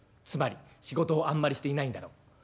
つまり仕事をあんまりしていないんだろう。